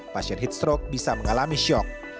pasien heat stroke bisa mengalami syok